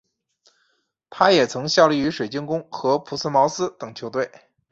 他也曾效力于水晶宫和朴茨茅斯等球队。